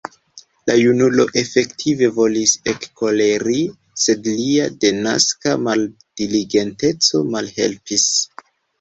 La junulo efektive volis ekkoleri, sed lia denaska maldiligenteco malhelpis.